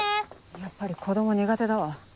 やっぱり子供苦手だわ。